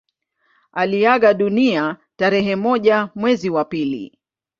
Aliaga dunia tarehe moja mwezi wa pili